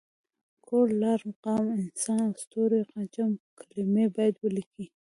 کور، لار، قام، انسان او ستوری جمع کلمې باید ولیکي.